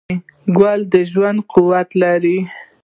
ګل د ژوند قوت لري.